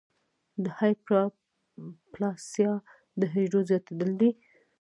د هایپرپلاسیا د حجرو زیاتېدل دي.